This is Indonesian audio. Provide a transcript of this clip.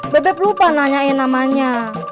bebet lupa nanyain namanya